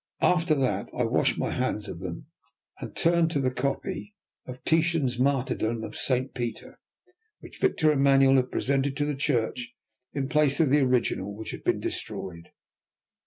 After that I washed my hands of them and turned to the copy of Titian's Martyrdom of Saint Peter, which Victor Emmanuel had presented to the church in place of the original, which had been destroyed.